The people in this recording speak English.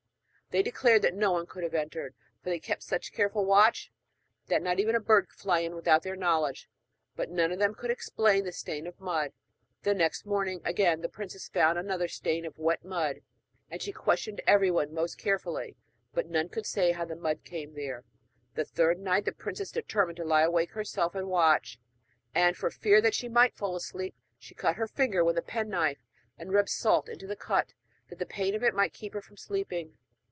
They declared that no one could have entered, for they kept such careful watch that not even a bird could fly in without their knowledge; but none of them could explain the stain of mud. The next morning, again, the princess found another stain of wet mud, and she questioned everyone most carefully; but none could say how the mud came there. The third night the princess determined to lie awake herself and watch; and, for fear that she might fall asleep, she cut her finger with a penknife and rubbed salt into the cut, that the pain of it might keep her from sleeping.